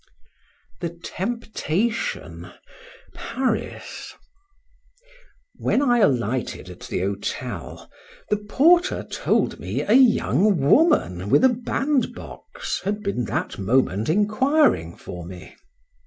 THE TEMPTATION. PARIS. WHEN I alighted at the hotel, the porter told me a young woman with a bandbox had been that moment enquiring for me.